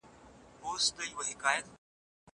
ایا له بدو عادتونو څخه ځان خلاصول د ژوند کیفیت ښه کوي؟